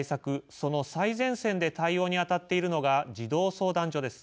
その最前線で対応に当たっているのが児童相談所です。